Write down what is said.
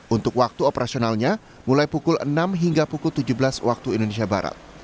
untuk waktu operasionalnya mulai pukul enam hingga pukul tujuh belas waktu indonesia barat